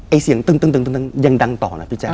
เสียงตึ้งยังดังต่อนะพี่แจ๊